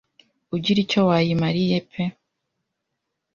Ugira icyo wayimariye pe